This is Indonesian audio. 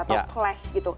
atau clash gitu